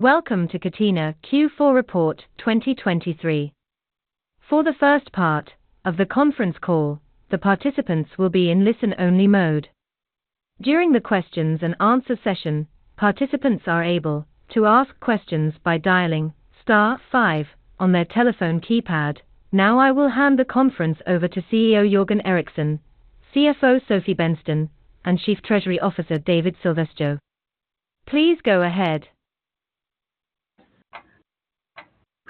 Welcome to Catena Q4 report 2023. For the first part of the conference call, the participants will be in listen-only mode. During the questions and answer session, participants are able to ask questions by dialing star five on their telephone keypad. Now I will hand the conference over to CEO Jörgen Eriksson, CFO Sofie Bennsten, and Chief Treasury Officer David Silvesjö. Please go ahead.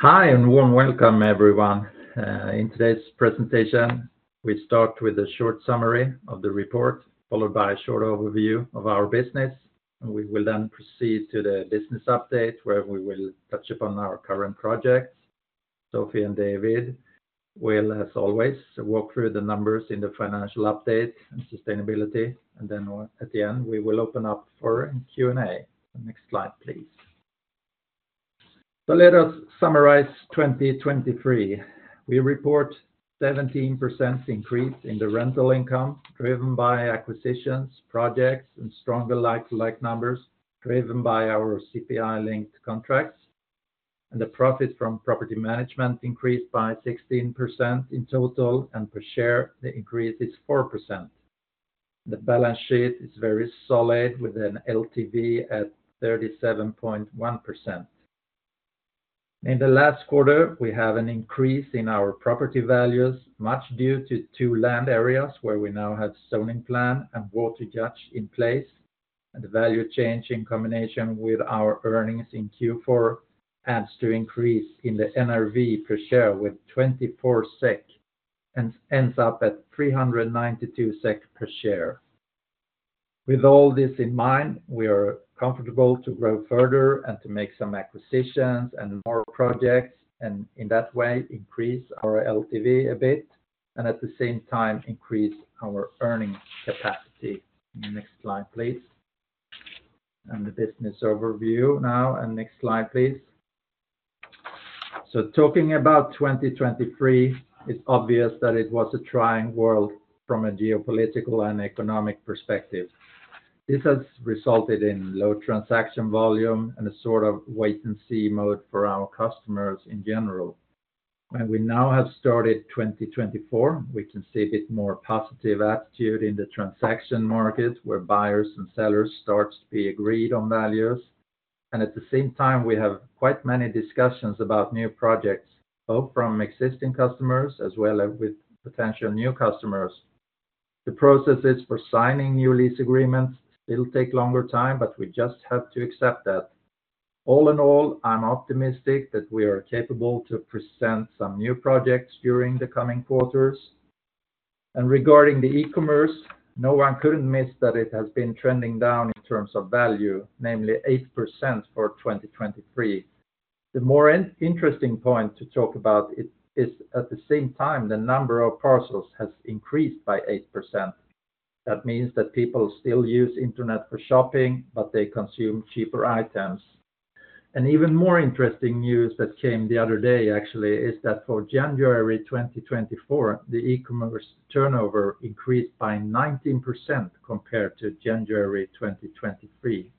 Hi, and warm welcome everyone. In today's presentation, we start with a short summary of the report, followed by a short overview of our business, and we will then proceed to the business update, where we will touch upon our current projects. Sofie and David will, as always, walk through the numbers in the financial update and sustainability, and then, at the end, we will open up for Q&A. Next slide, please. So let us summarize 2023. We report 17% increase in the rental income, driven by acquisitions, projects, and stronger like-for-like numbers, driven by our CPI-linked contracts. The profit from property management increased by 16% in total, and per share, the increase is 4%. The balance sheet is very solid, with an LTV at 37.1%. In the last quarter, we have an increase in our property values, much due to two land areas, where we now have zoning plan and water judgment in place, and the value change in combination with our earnings in Q4 adds to increase in the NRV per share with 24 SEK, and ends up at 392 SEK per share. With all this in mind, we are comfortable to grow further and to make some acquisitions and more projects, and in that way, increase our LTV a bit, and at the same time increase our earning capacity. Next slide, please. The business overview now, and next slide, please. Talking about 2023, it's obvious that it was a trying world from a geopolitical and economic perspective. This has resulted in low transaction volume and a sort of wait-and-see mode for our customers in general. When we now have started 2024, we can see a bit more positive attitude in the transaction market, where buyers and sellers starts to be agreed on values. And at the same time, we have quite many discussions about new projects, both from existing customers as well as with potential new customers. The processes for signing new lease agreements, it'll take longer time, but we just have to accept that. All in all, I'm optimistic that we are capable to present some new projects during the coming quarters. And regarding the e-commerce, no one couldn't miss that it has been trending down in terms of value, namely 8% for 2023. The more interesting point to talk about it is, at the same time, the number of parcels has increased by 8%. That means that people still use internet for shopping, but they consume cheaper items. Even more interesting news that came the other day, actually, is that for January 2024, the e-commerce turnover increased by 19% compared to January 2023.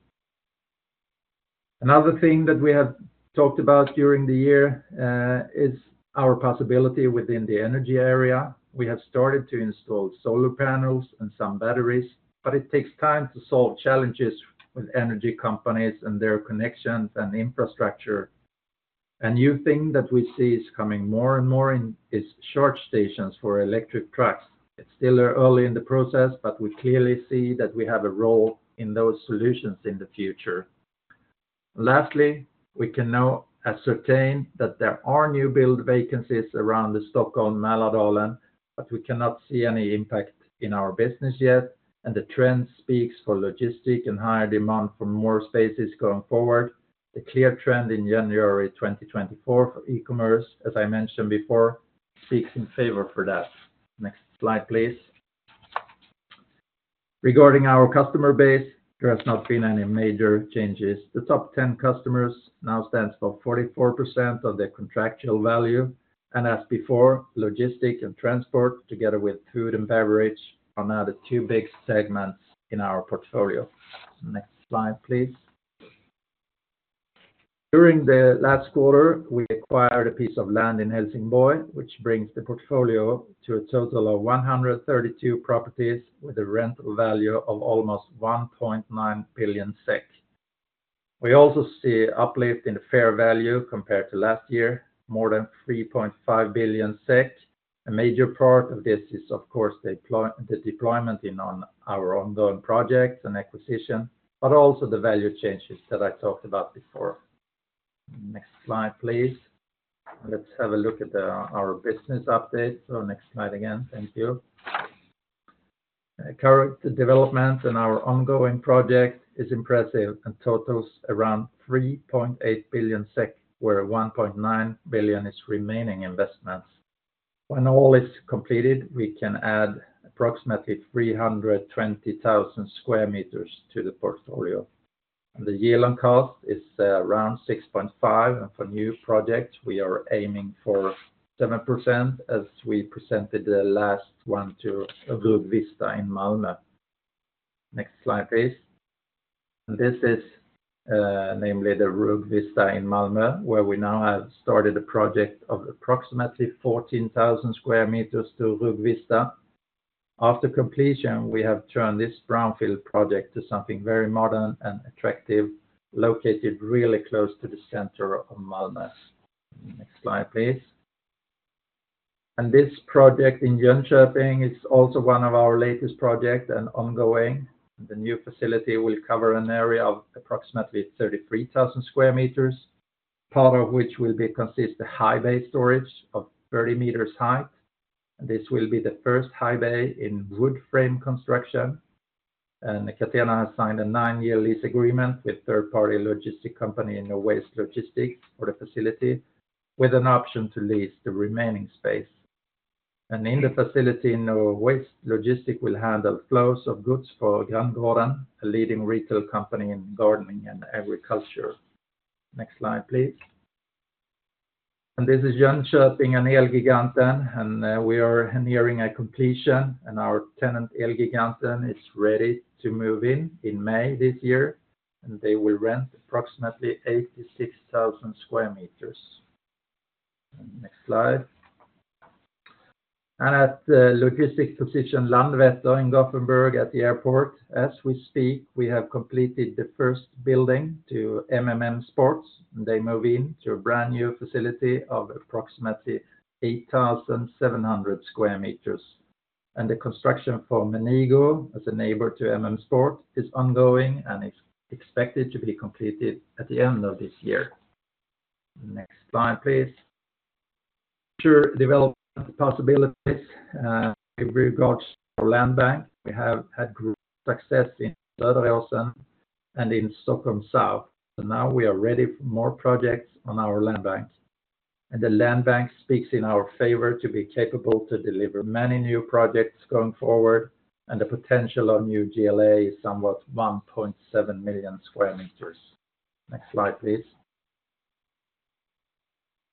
Another thing that we have talked about during the year is our possibility within the energy area. We have started to install solar panels and some batteries, but it takes time to solve challenges with energy companies and their connections and infrastructure. A new thing that we see is coming more and more in, is charge stations for electric trucks. It's still early in the process, but we clearly see that we have a role in those solutions in the future. Lastly, we can now ascertain that there are new build vacancies around the Stockholm, Mälardalen, but we cannot see any impact in our business yet, and the trend speaks for logistics and higher demand for more spaces going forward. The clear trend in January 2024 for e-commerce, as I mentioned before, speaks in favor for that. Next slide, please. Regarding our customer base, there has not been any major changes. The top 10 customers now stands for 44% of their contractual value, and as before, logistic and transport, together with food and beverage, are now the two big segments in our portfolio. Next slide, please. During the last quarter, we acquired a piece of land in Helsingborg, which brings the portfolio to a total of 132 properties, with a rental value of almost 1.9 billion SEK. We also see uplift in the fair value compared to last year, more than 3.5 billion SEK. A major part of this is, of course, the deployment in on our ongoing projects and acquisition, but also the value changes that I talked about before. Next slide, please. Let's have a look at our business update. So next slide again. Thank you. Current development in our ongoing project is impressive and totals around 3.8 billion SEK, where 1.9 billion is remaining investments. When all is completed, we can add approximately 320,000 sq m to the portfolio. And the Yield on Cost is around 6.5%, and for new projects, we are aiming for 7%, as we presented the last one to Rugvista in Malmö. Next slide, please. This is namely the Rugvista in Malmö, where we now have started a project of approximately 14,000 sq m to Rugvista. After completion, we have turned this brownfield project to something very modern and attractive, located really close to the center of Malmö. Next slide, please. This project in Jönköping is also one of our latest project and ongoing. The new facility will cover an area of approximately 33,000 sq m, part of which will be consist a high bay storage of 30 m height. And this will be the first high bay in wood frame construction. And Catena has signed a nine-year lease agreement with third-party logistics company Nowaste Logistics, for the facility, with an option to lease the remaining space. And in the facility, Nowaste Logistics will handle flows of goods for Granngården, a leading retail company in gardening and agriculture. Next slide, please. And this is Jönköping and Elgiganten, and we are nearing a completion, and our tenant, Elgiganten, is ready to move in in May this year, and they will rent approximately 86,000 sq m. Next slide. And at the Logistic Position Landvetter in Gothenburg at the airport, as we speak, we have completed the first building to MM Sports, and they move in to a brand-new facility of approximately 8,700 sq m. And the construction for Menigo, as a neighbor to MM Sports, is ongoing and is expected to be completed at the end of this year. Next slide, please. Sure, development possibilities, in regards to our land bank, we have had great success in Söderåsen and in Stockholm South. Now we are ready for more projects on our land banks. The land bank speaks in our favor to be capable to deliver many new projects going forward, and the potential of new GLA is somewhat 1.7 million square meters. Next slide, please.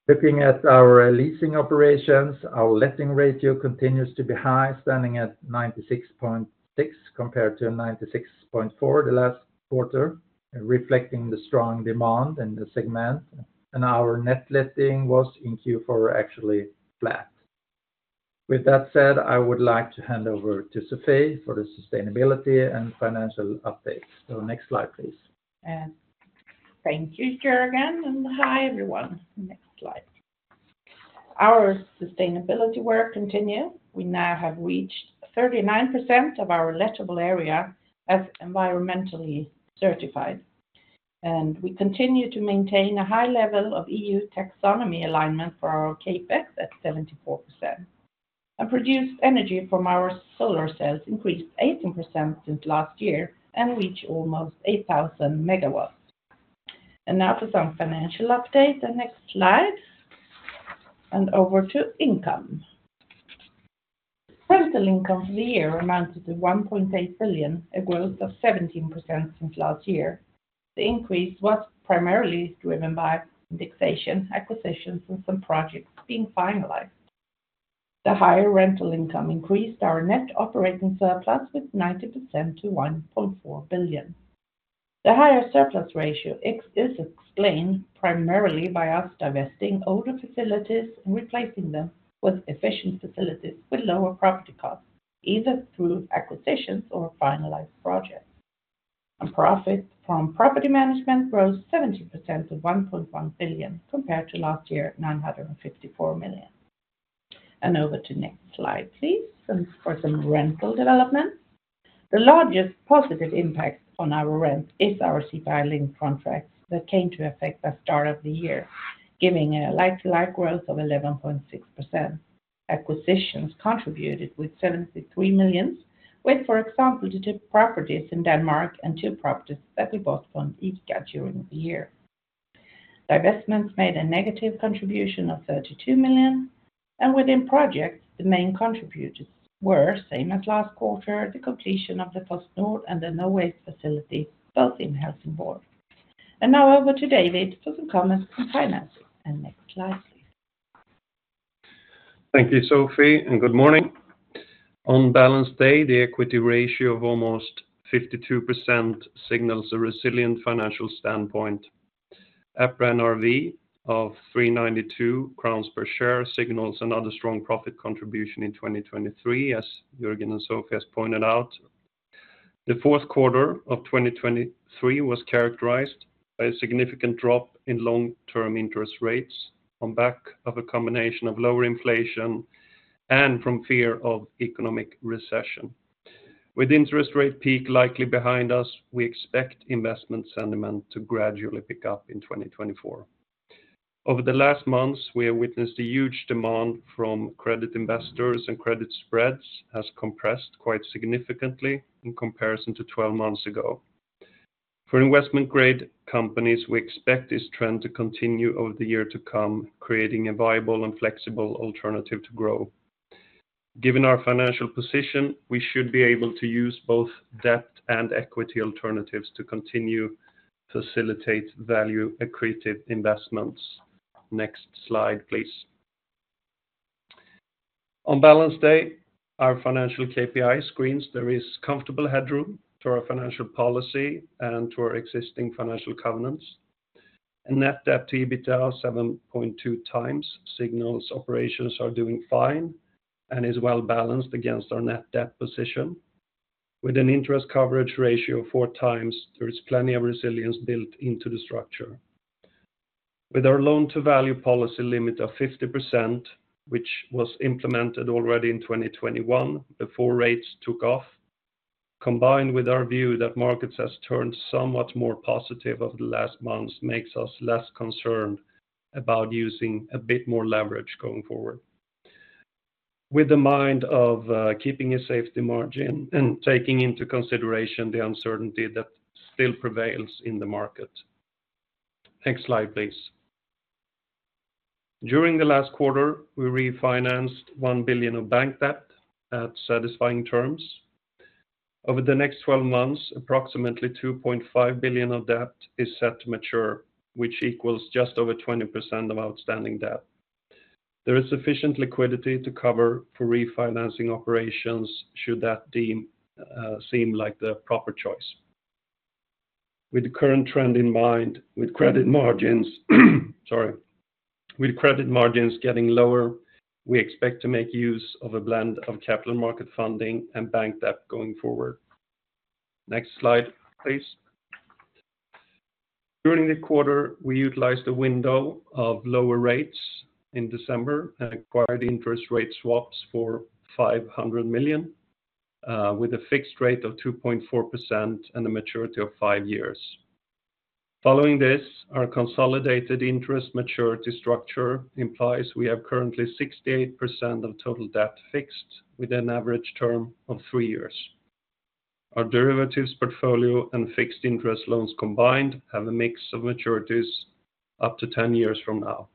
Looking at our leasing operations, our letting ratio continues to be high, standing at 96.6%, compared to 96.4% the last quarter, reflecting the strong demand in the segment, and our net letting was in Q4 actually flat. With that said, I would like to hand over to Sofie for the sustainability and financial updates. Next slide, please. Thank you, Jörgen, and hi, everyone. Next slide. Our sustainability work continue. We now have reached 39% of our lettable area as environmentally certified. We continue to maintain a high level of EU taxonomy alignment for our CapEx at 74%. Produced energy from our solar cells increased 18% since last year and reached almost 8,000 MW. Now for some financial update, the next slide, and over to income. Rental income for the year amounted to 1.8 billion, a growth of 17% since last year. The increase was primarily driven by indexation, acquisitions, and some projects being finalized. The higher rental income increased our net operating surplus with 19% to 1.4 billion. The higher surplus ratio is explained primarily by us divesting older facilities and replacing them with efficient facilities with lower property costs, either through acquisitions or finalized projects. Profit from property management grows 17% to 1.1 billion compared to last year, 954 million. Over to next slide, please, for some rental development. The largest positive impact on our rent is our CPI-linked contracts that came to effect the start of the year, giving a like-to-like growth of 11.6%. Acquisitions contributed with 73 million, with, for example, the two properties in Denmark and two properties that we bought on ICA during the year. Divestments made a negative contribution of 32 million, and within projects, the main contributors were, same as last quarter, the completion of the PostNord and the Nowaste facility, both in Helsingborg. Now over to David for some comments on finance. Next slide, please. Thank you, Sofie, and good morning. On balance day, the equity ratio of almost 52% signals a resilient financial standpoint. EPRA NRV of 392 crowns per share signals another strong profit contribution in 2023, as Jörgen and Sofie has pointed out. The fourth quarter of 2023 was characterized by a significant drop in long-term interest rates on back of a combination of lower inflation and from fear of economic recession. With interest rate peak likely behind us, we expect investment sentiment to gradually pick up in 2024. Over the last months, we have witnessed a huge demand from credit investors, and credit spreads has compressed quite significantly in comparison to 12 months ago. For investment-grade companies, we expect this trend to continue over the year to come, creating a viable and flexible alternative to grow. Given our financial position, we should be able to use both debt and equity alternatives to continue facilitate value-accretive investments. Next slide, please... On balance day, our financial KPI screens, there is comfortable headroom to our financial policy and to our existing financial covenants. A net debt EBITDA of 7.2x signals operations are doing fine and is well balanced against our net debt position. With an interest coverage ratio of 4x, there is plenty of resilience built into the structure. With our loan-to-value policy limit of 50%, which was implemented already in 2021, before rates took off, combined with our view that markets has turned somewhat more positive over the last months, makes us less concerned about using a bit more leverage going forward. With the mind of keeping a safety margin and taking into consideration the uncertainty that still prevails in the market. Next slide, please. During the last quarter, we refinanced 1 billion of bank debt at satisfying terms. Over the next 12 months, approximately 2.5 billion of debt is set to mature, which equals just over 20% of outstanding debt. There is sufficient liquidity to cover for refinancing operations should that deem seem like the proper choice. With the current trend in mind, with credit margins, sorry. With credit margins getting lower, we expect to make use of a blend of capital market funding and bank debt going forward. Next slide, please. During the quarter, we utilized a window of lower rates in December and acquired interest rate swaps for 500 million with a fixed rate of 2.4% and a maturity of five years. Following this, our consolidated interest maturity structure implies we have currently 68% of total debt fixed, with an average term of three years. Our derivatives portfolio and fixed interest loans combined have a mix of maturities up to 10 years from now.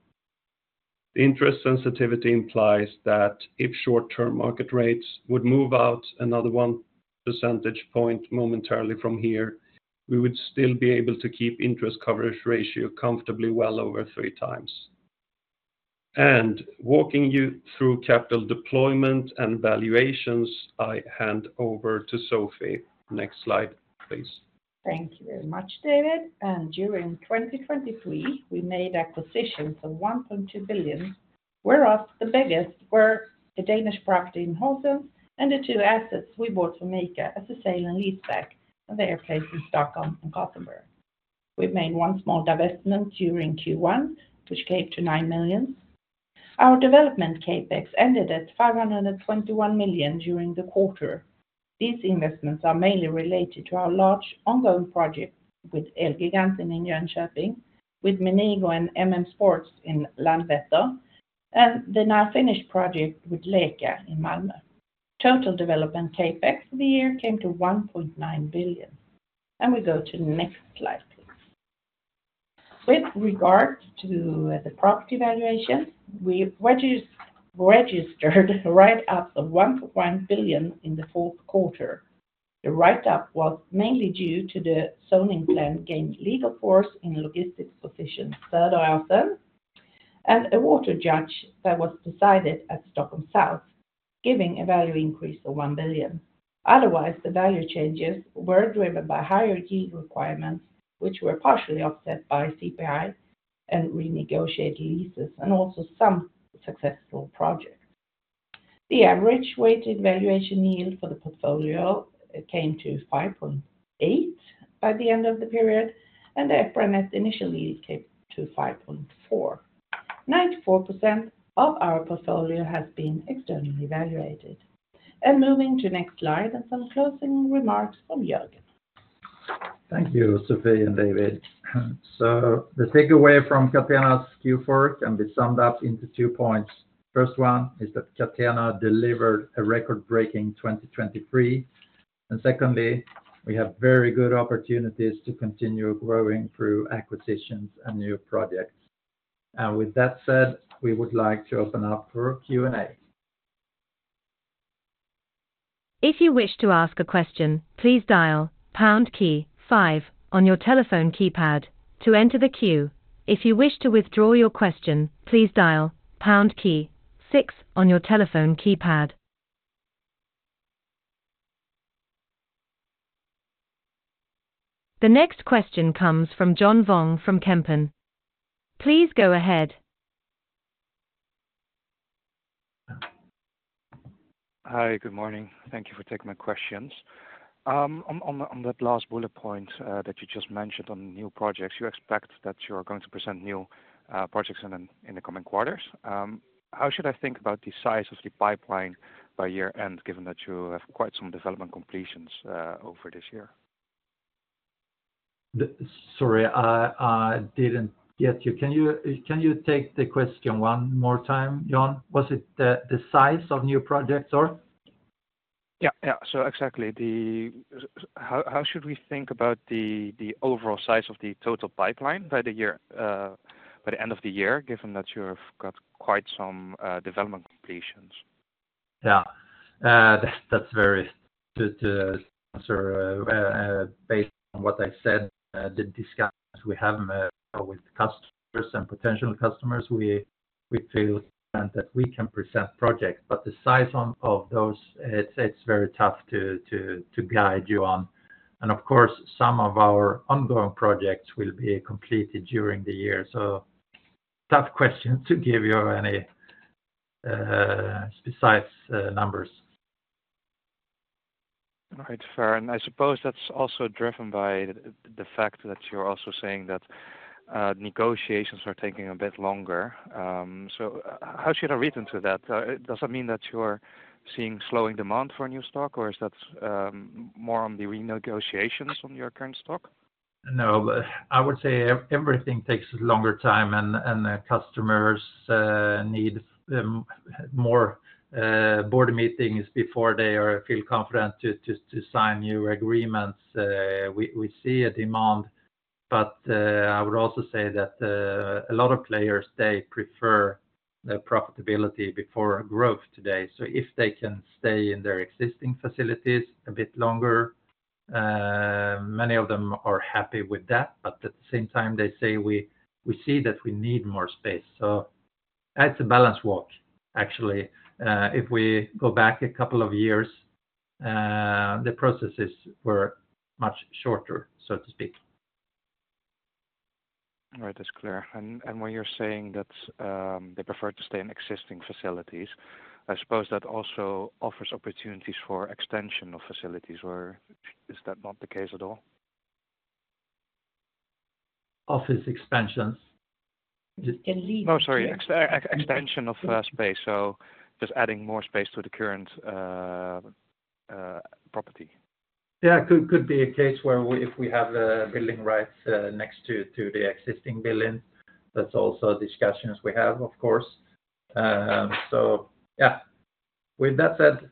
The interest sensitivity implies that if short-term market rates would move out another 1 percentage point momentarily from here, we would still be able to keep interest coverage ratio comfortably well over 3x. And walking you through capital deployment and valuations, I hand over to Sofie. Next slide, please. Thank you very much, David. During 2023, we made acquisitions of 1.2 billion, whereas the biggest were the Danish property in Horsens and the two assets we bought from ICA as a sale and leaseback in Örebro and Gothenburg. We've made one small divestment during Q1, which came to 9 million. Our development CapEx ended at 521 million during the quarter. These investments are mainly related to our large ongoing project with Elgiganten in Jönköping, with Menigo and MMM Sports in Landvetter, and the now finished project with Leka in Malmö. Total development CapEx for the year came to 1.9 billion. We go to the next slide, please. With regard to the property valuation, we've registered write-up of 1.1 billion in the fourth quarter. The write-up was mainly due to the zoning plan that gained legal force in a logistics position, Söderåsen, and a water judgment that was decided at Stockholm South, giving a value increase of 1 billion. Otherwise, the value changes were driven by higher yield requirements, which were partially offset by CPI and renegotiated leases, and also some successful projects. The average weighted valuation yield for the portfolio came to 5.8% by the end of the period, and the EPRA NRV came to 5.4%. 94% of our portfolio has been externally evaluated. Moving to next slide and some closing remarks from Jörgen. Thank you, Sofie and David. The takeaway from Catena Q4 can be summed up into two points. First one is that Catena delivered a record-breaking 2023. Secondly, we have very good opportunities to continue growing through acquisitions and new projects. With that said, we would like to open up for Q&A. If you wish to ask a question, please dial pound key five on your telephone keypad to enter the queue. If you wish to withdraw your question, please dial pound key six on your telephone keypad. The next question comes from John Vuong from Kempen. Please go ahead. Hi, good morning. Thank you for taking my questions. On that last bullet point that you just mentioned on new projects, you expect that you're going to present new projects in the coming quarters. How should I think about the size of the pipeline by year-end, given that you have quite some development completions over this year? Sorry, I didn't get you. Can you take the question one more time, John? Was it the size of new projects, or? Yeah, yeah. So exactly, how should we think about the overall size of the total pipeline by the year, by the end of the year, given that you have got quite some development completions? Yeah, that's very good to answer. Based on what I said, the discussions we have with customers and potential customers, we feel that we can present projects, but the size of those, it's very tough to guide you on. And of course, some of our ongoing projects will be completed during the year. So tough question to give you any besides numbers. All right, fair. I suppose that's also driven by the fact that you're also saying that negotiations are taking a bit longer. How should I read into that? Does that mean that you are seeing slowing demand for a new stock, or is that more on the renegotiations on your current stock? No, I would say everything takes a longer time, and the customers need more board meetings before they are feel confident to sign new agreements. We see a demand, but I would also say that a lot of players, they prefer the profitability before growth today. So if they can stay in their existing facilities a bit longer, many of them are happy with that, but at the same time, they say, "We see that we need more space." So that's a balance walk, actually. If we go back a couple of years, the processes were much shorter, so to speak. All right, that's clear. And when you're saying that, they prefer to stay in existing facilities, I suppose that also offers opportunities for extension of facilities, or is that not the case at all? Office expansions? It can lead- Oh, sorry, extension of space, so just adding more space to the current property. Yeah, could be a case where we if we have building rights next to the existing building. That's also discussions we have, of course. So yeah, with that said,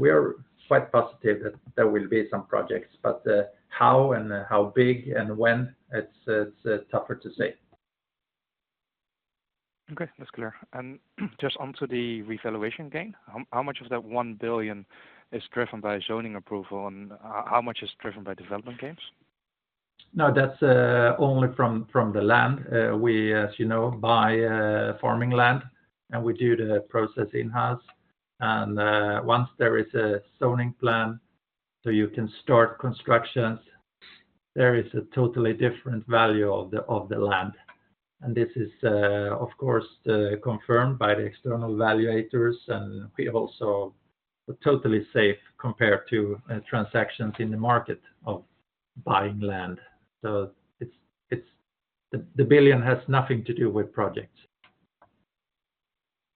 we are quite positive that there will be some projects, but how and how big and when, it's tougher to say. Okay, that's clear. And just onto the revaluation gain, how much of that 1 billion is driven by zoning approval, and how much is driven by development gains? No, that's only from the land. We, as you know, buy farming land, and we do the process in-house. Once there is a zoning plan, so you can start constructions, there is a totally different value of the land. And this is, of course, confirmed by the external valuators, and we are also totally safe compared to transactions in the market of buying land. So it's the 1 billion has nothing to do with projects.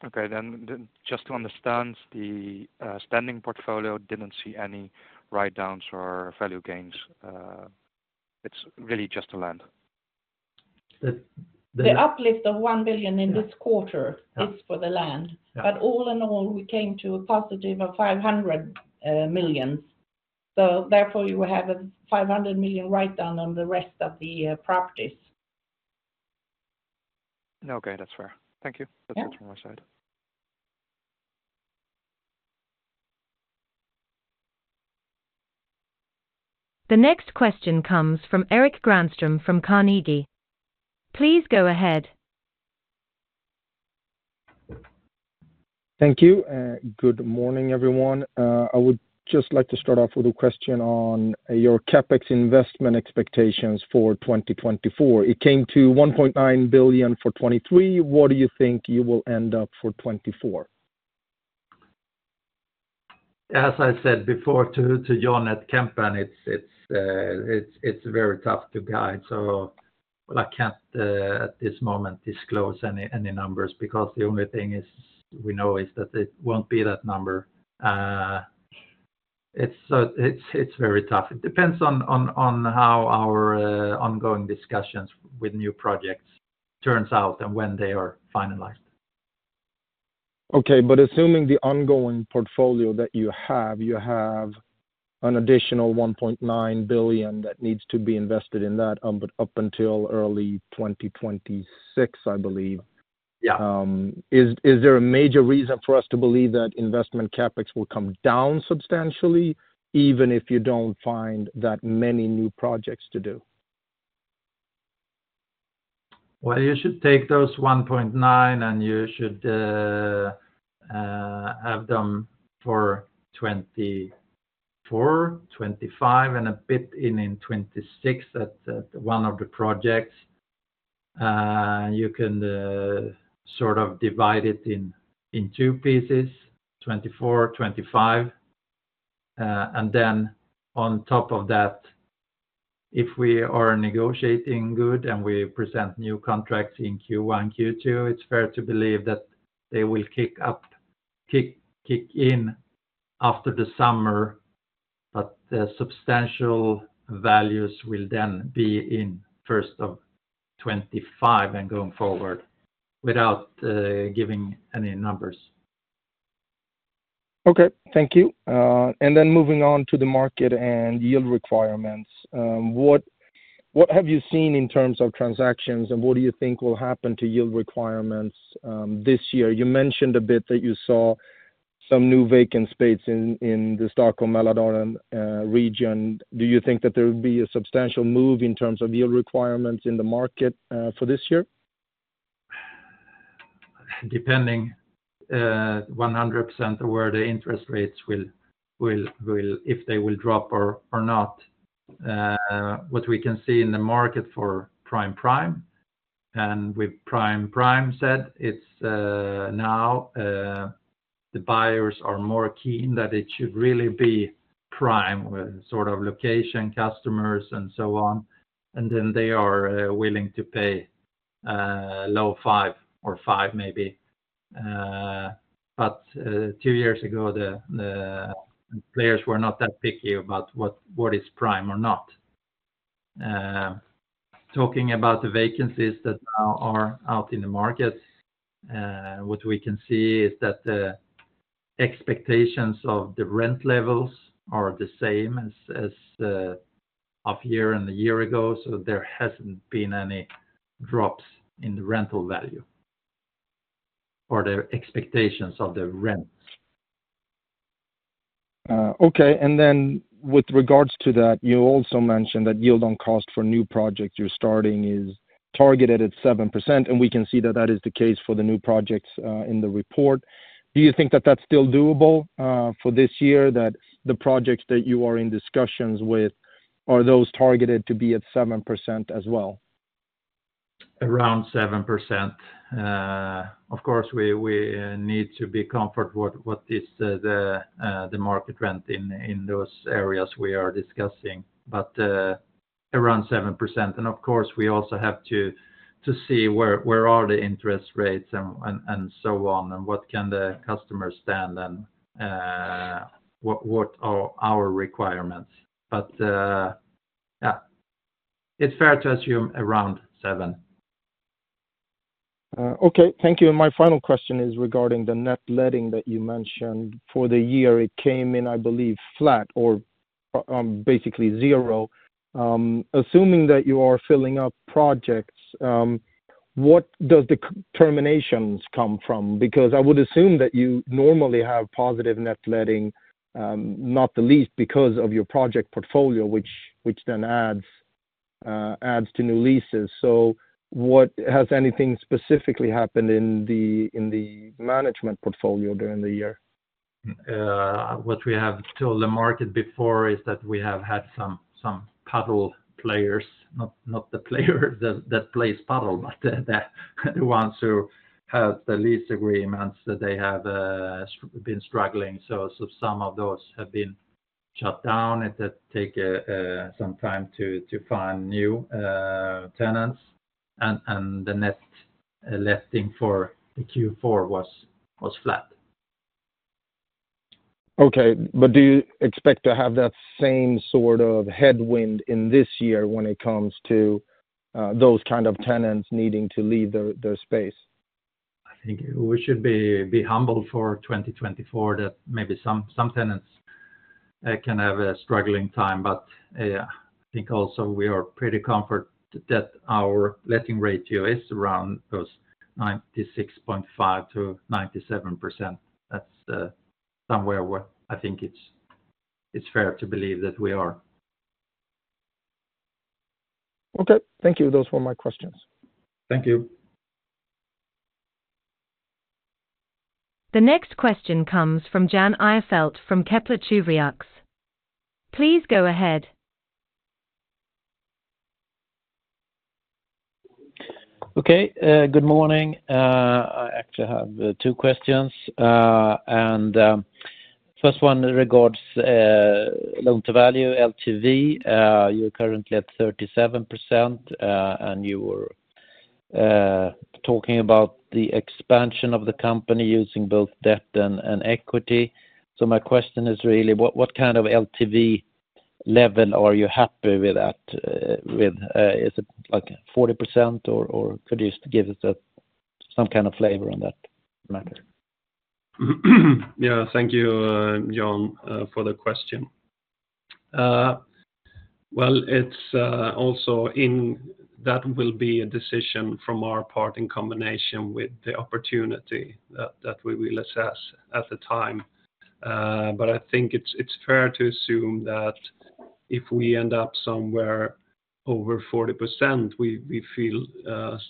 Okay, then just to understand, the standing portfolio didn't see any write-downs or value gains. It's really just the land. The, the- The uplift of 1 billion in this quarter- Yeah... is for the land. Yeah. But all in all, we came to a positive of 500 million. So therefore, you have a 500 million write-down on the rest of the properties. Okay, that's fair. Thank you. Yeah. That's it from my side. The next question comes from Erik Granström from Carnegie. Please go ahead. Thank you, and good morning, everyone. I would just like to start off with a question on your CapEx investment expectations for 2024. It came to 1.9 billion for 2023. What do you think you will end up for 2024? As I said before to John at Kempen, it's very tough to guide, so well, I can't at this moment disclose any numbers because the only thing we know is that it won't be that number. It's very tough. It depends on how our ongoing discussions with new projects turns out and when they are finalized. Okay, but assuming the ongoing portfolio that you have, you have an additional 1.9 billion that needs to be invested in that, but up until early 2026, I believe. Yeah. Is there a major reason for us to believe that investment CapEx will come down substantially, even if you don't find that many new projects to do? Well, you should take those 1.9, and you should have them for 2024, 2025, and a bit in 2026 at one of the projects. You can sort of divide it in two pieces, 2024, 2025. And then on top of that, if we are negotiating good and we present new contracts in Q1, Q2, it's fair to believe that they will kick in after the summer, but the substantial values will then be in first of 2025 and going forward, without giving any numbers. Okay, thank you. And then moving on to the market and yield requirements, what have you seen in terms of transactions, and what do you think will happen to yield requirements this year? You mentioned a bit that you saw some new vacant space in the Stockholm Mälardalen region. Do you think that there would be a substantial move in terms of yield requirements in the market for this year? Depending 100% where the interest rates will—if they will drop or not. What we can see in the market for prime and with prime. It's now the buyers are more keen that it should really be prime with sort of location, customers, and so on, and then they are willing to pay low 5% or 5% maybe. But two years ago, the players were not that picky about what is prime or not. Talking about the vacancies that now are out in the market, what we can see is that the expectations of the rent levels are the same as of year and the year ago, so there hasn't been any drops in the rental value or the expectations of the rents. Okay. And then with regards to that, you also mentioned that Yield on Cost for new project you're starting is targeted at 7%, and we can see that that is the case for the new projects, in the report. Do you think that that's still doable, for this year? That the projects that you are in discussions with, are those targeted to be at 7% as well? Around 7%. Of course, we need to be comfortable with what the market rent is in those areas we are discussing, but around 7%. And of course, we also have to see where the interest rates are and so on, and what the customer can stand, and what our requirements are. But yeah, it's fair to assume around 7%. Okay. Thank you. And my final question is regarding the net letting that you mentioned. For the year, it came in, I believe, flat or, basically zero. Assuming that you are filling up projects, what does the terminations come from? Because I would assume that you normally have positive net letting, not the least, because of your project portfolio, which then adds to new leases. So what has anything specifically happened in the management portfolio during the year? What we have told the market before is that we have had some padel players, not the player that plays padel, but the ones who have the lease agreements that they have been struggling. So some of those have been shut down, and that take some time to find new tenants, and the net letting for the Q4 was flat. Okay, but do you expect to have that same sort of headwind in this year when it comes to those kind of tenants needing to leave their, their space? I think we should be humble for 2024, that maybe some tenants can have a struggling time. But, I think also we are pretty comfort that our letting ratio is around 96.5%-97%. That's somewhere where I think it's fair to believe that we are. Okay. Thank you. Those were my questions. Thank you. The next question comes from Jan Ihrfelt from Kepler Cheuvreux. Please go ahead. Okay, good morning. I actually have two questions. First one regards loan to value, LTV. You're currently at 37%, and you were talking about the expansion of the company using both debt and equity. So my question is really: what kind of LTV level are you happy with that? With... Is it like 40%, or could you just give us some kind of flavor on that matter? Yeah. Thank you, Jan, for the question. Well, it's also that will be a decision from our part in combination with the opportunity that we will assess at the time. But I think it's fair to assume that if we end up somewhere over 40%, we feel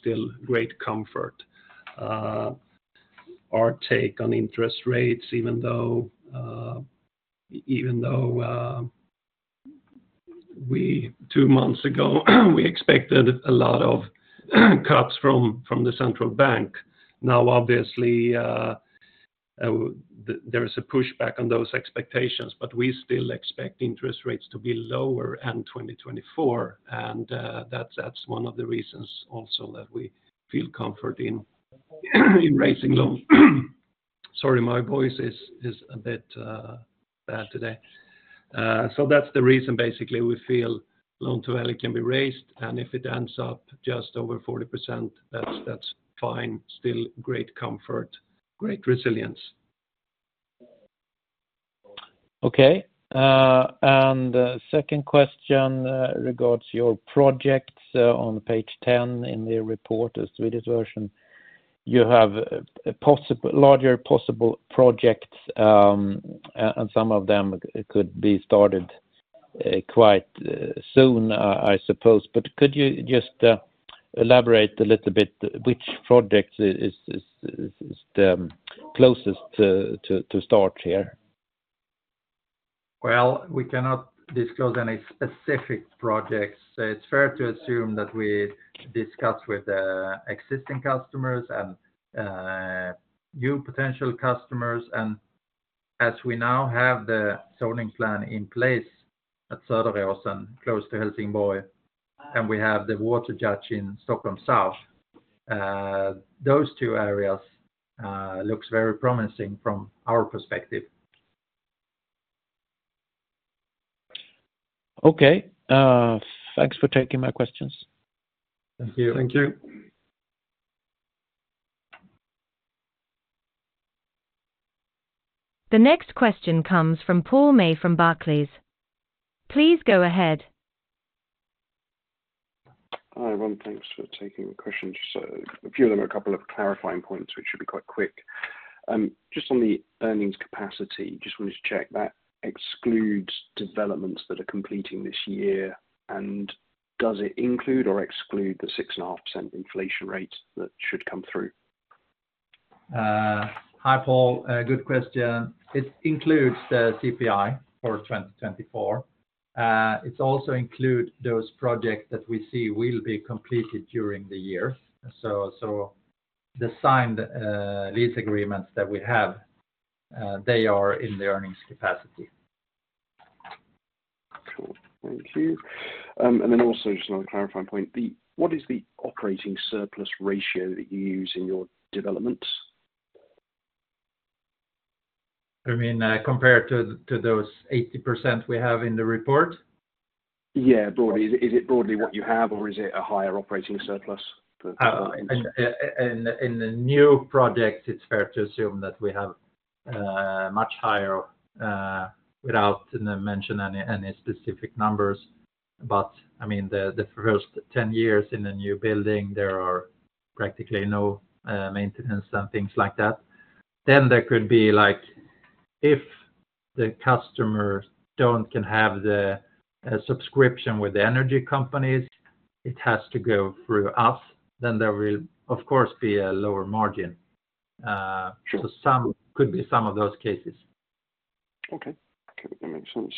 still great comfort. Our take on interest rates, even though even though two months ago, we expected a lot of cuts from the central bank. Now, obviously, there is a pushback on those expectations, but we still expect interest rates to be lower in 2024, and that's one of the reasons also that we feel comfort in raising loans. Sorry, my voice is a bit bad today. So that's the reason. Basically, we feel loan-to-value can be raised, and if it ends up just over 40%, that's, that's fine. Still great comfort, great resilience. Okay, and the second question regards your projects on page 10 in the report, the Swedish version. You have possibly larger possible projects, and some of them could be started quite soon, I suppose. But could you just elaborate a little bit, which project is closest to start here? Well, we cannot disclose any specific projects. It's fair to assume that we discuss with existing customers and new potential customers. And as we now have the zoning plan in place at Söderåsen, close to Helsingborg, and we have the water judgment in Stockholm South, those two areas look very promising from our perspective. Okay. Thanks for taking my questions. Thank you. Thank you. The next question comes from Paul May from Barclays. Please go ahead. Hi, everyone. Thanks for taking the question. Just a few of them, a couple of clarifying points, which should be quite quick. Just on the earnings capacity, just wanted to check that excludes developments that are completing this year, and does it include or exclude the 6.5% inflation rate that should come through? Hi, Paul, good question. It includes the CPI for 2024. It also include those projects that we see will be completed during the year. So, the signed lease agreements that we have, they are in the earnings capacity. Cool. Thank you. And then also just another clarifying point, what is the operating surplus ratio that you use in your developments? You mean, compared to those 80% we have in the report? Yeah, broadly. Is it broadly what you have, or is it a higher operating surplus for interest? In the new project, it's fair to assume that we have much higher, without mention any specific numbers. But, I mean, the first 10 years in a new building, there are practically no maintenance and things like that. Then there could be like, if the customer don't can have the subscription with the energy companies, it has to go through us, then there will of course be a lower margin. Sure. So, some could be some of those cases. Okay. Okay, that makes sense.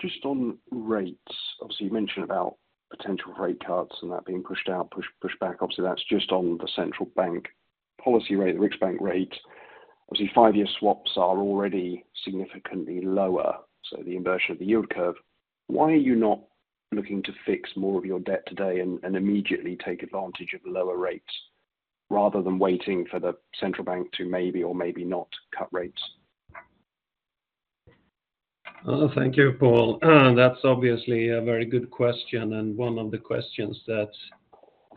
Just on rates, obviously, you mentioned about potential rate cuts and that being pushed back. Obviously, that's just on the central bank policy rate, the Riksbank rate. Obviously, five-year swaps are already significantly lower, so the inversion of the yield curve. Why are you not looking to fix more of your debt today and immediately take advantage of lower rates, rather than waiting for the central bank to maybe or maybe not cut rates? Thank you, Paul. That's obviously a very good question, and one of the questions that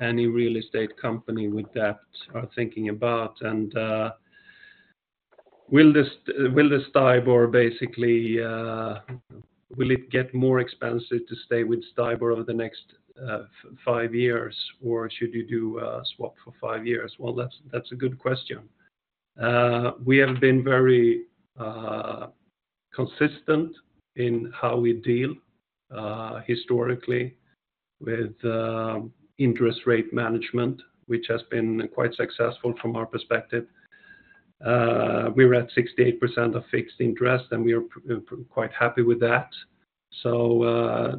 any real estate company with debt are thinking about. Will this, will the STIBOR basically, will it get more expensive to stay with STIBOR over the next, five years, or should you do a swap for five years? Well, that's a good question. We have been very consistent in how we deal historically with interest rate management, which has been quite successful from our perspective. We were at 68% of fixed interest, and we are quite happy with that. So,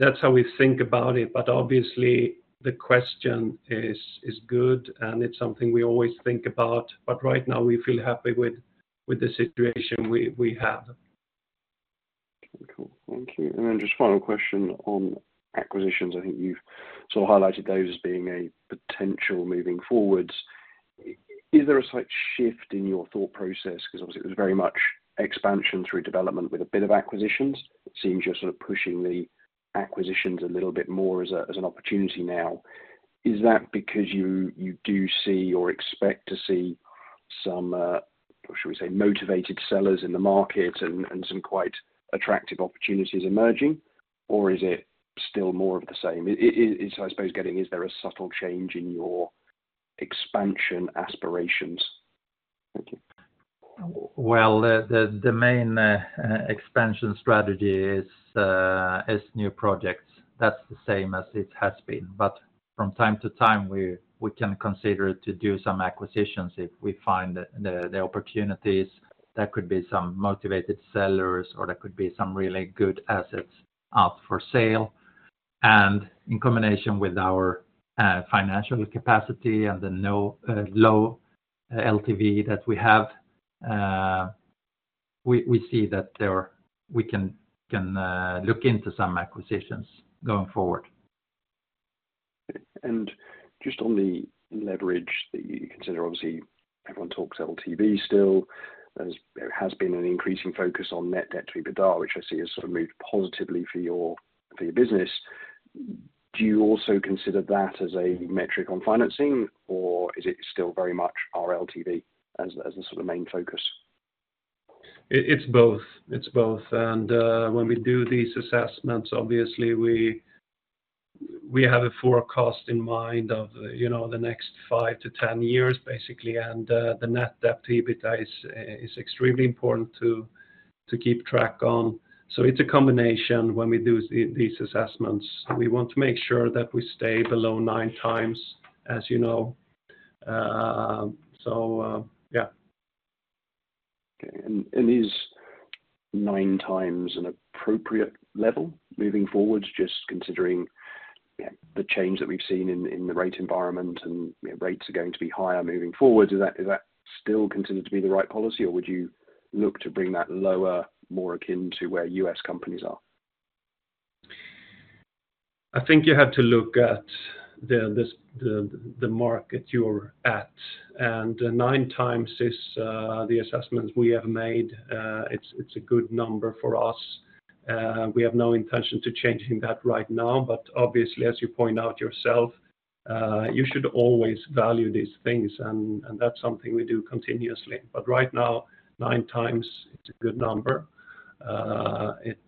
that's how we think about it. But obviously, the question is good, and it's something we always think about, but right now we feel happy with the situation we have. Okay, cool. Thank you. And then just final question on acquisitions. I think you've sort of highlighted those as being a potential moving forwards. Is there a slight shift in your thought process? Because obviously, it was very much expansion through development with a bit of acquisitions. It seems you're sort of pushing the acquisitions a little bit more as an opportunity now. Is that because you do see or expect to see some, should we say, motivated sellers in the market and some quite attractive opportunities emerging, or is it still more of the same? It's, I suppose, getting. Is there a subtle change in your expansion aspirations? Thank you. Well, the main expansion strategy is new projects. That's the same as it has been, but from time to time, we can consider to do some acquisitions if we find the opportunities. That could be some motivated sellers, or that could be some really good assets up for sale. And in combination with our financial capacity and the low LTV that we have, we see that we can look into some acquisitions going forward. Just on the leverage that you consider, obviously, everyone talks LTV still. There's, there has been an increasing focus on net debt to EBITDA, which I see has sort of moved positively for your, for your business. Do you also consider that as a metric on financing, or is it still very much our LTV as, as the sort of main focus? It's both. It's both. And when we do these assessments, obviously, we have a forecast in mind of, you know, the next five to 10 years, basically, and the net debt EBITDA is extremely important to keep track on. So it's a combination when we do these assessments. We want to make sure that we stay below 9x, as you know. So, yeah. Okay. And is 9x an appropriate level moving forward, just considering, yeah, the change that we've seen in the rate environment and rates are going to be higher moving forward? Is that still considered to be the right policy, or would you look to bring that lower, more akin to where US companies are? I think you have to look at the market you're at, and 9x is the assessment we have made. It's a good number for us. We have no intention to changing that right now, but obviously, as you point out yourself, you should always value these things, and that's something we do continuously. But right now, 9x is a good number. It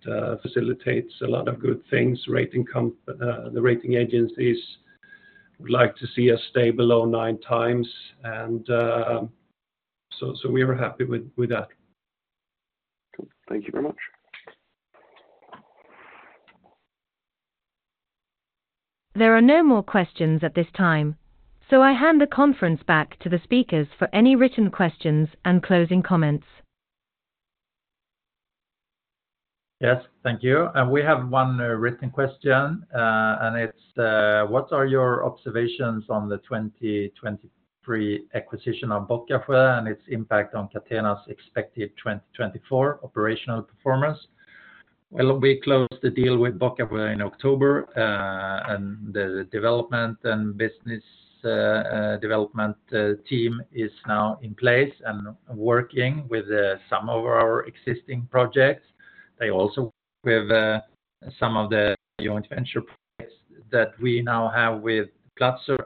facilitates a lot of good things. The rating agencies would like to see us stay below 9x, and so we are happy with that. Cool. Thank you very much. There are no more questions at this time, so I hand the conference back to the speakers for any written questions and closing comments. Yes, thank you. And we have one written question, and it's: What are your observations on the 2023 acquisition of Bockasjö and its impact on Catena's expected 2024 operational performance? Well, we closed the deal with Bockasjö in October, and the development and business development team is now in place and working with some of our existing projects. They also with some of the joint venture projects that we now have with Platzer,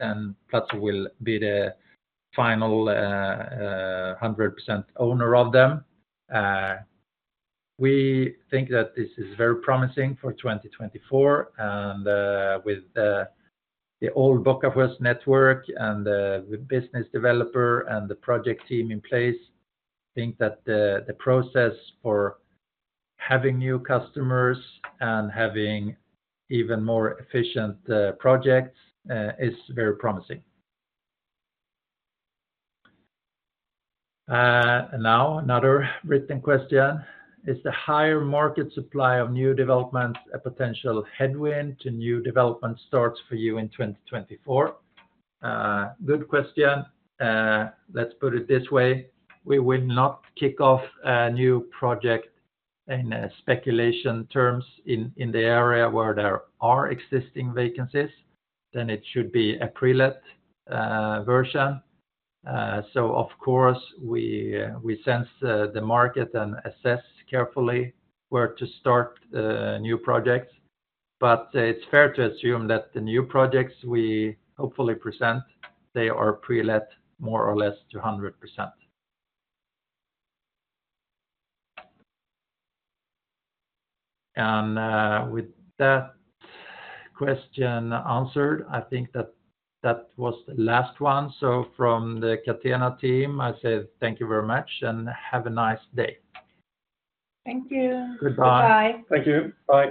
and Platzer will be the final 100% owner of them. We think that this is very promising for 2024, and with the old Bockasjö network and the business developer and the project team in place, I think that the process for having new customers and having even more efficient projects is very promising. Now, another written question: Is the higher market supply of new development a potential headwind to new development starts for you in 2024? Good question. Let's put it this way, we will not kick off a new project in speculation terms in the area where there are existing vacancies, then it should be a pre-let version. So of course, we sense the market and assess carefully where to start new projects, but it's fair to assume that the new projects we hopefully present, they are pre-let more or less to 100%. And with that question answered, I think that was the last one. So from the Catena team, I say thank you very much and have a nice day. Thank you. Goodbye. Bye-bye. Thank you. Bye.